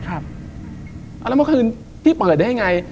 แล้วเมื่อคืนพี่เปิดได้ยังไง